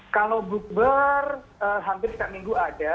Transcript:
kalau bukber hampir setiap minggu ada